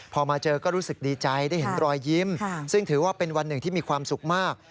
พอมาเจอก็รู้สึกดีใจได้เห็นรอยยิ้มซึ่งถือว่าเป็นวันหนึ่งที่มีความสุขมาก